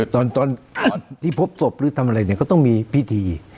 ตอนที่พบศพหรือทำอะไรเนี่ยก็ต้องมีพิธี